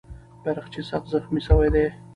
بیرغچی سخت زخمي سوی دی.